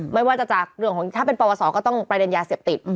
ไม่ว่าจะจากเรื่องของถ้าเป็นปวสอก็ต้องประเด็นยาเสพติด